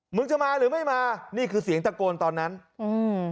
มึงจะมาหรือไม่มานี่คือเสียงตะโกนตอนนั้นอืม